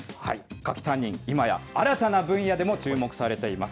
柿タンニン、今や、新たな分野でも注目されています。